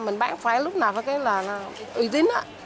mình bán phải lúc nào là uy tín